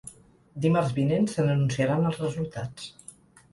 Dimarts vinent se n’anunciaran els resultats.